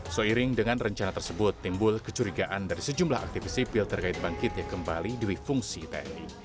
soiring dengan rencana tersebut timbul kecurigaan dari sejumlah aktivisi pil terkait bangkitnya kembali demi fungsi tni